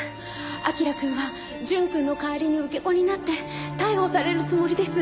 彬くんは淳くんの代わりに受け子になって逮捕されるつもりです！